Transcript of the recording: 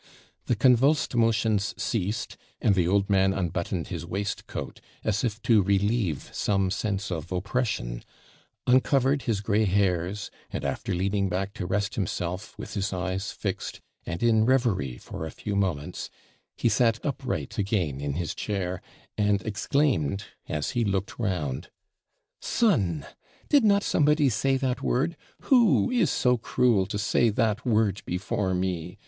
The convulsed motions ceased; and the old man unbuttoned his waistcoat, as if to relieve some sense of expression; uncovered his gray hairs; and, after leaning back to rest himself, with his eyes fixed, and in reverie for a few moments, he sat upright again in his chair, and exclaimed, as he looked round 'Son! Did not somebody say that word? Who is so cruel to say that word before me?